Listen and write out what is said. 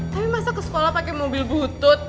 tapi masuk ke sekolah pakai mobil butut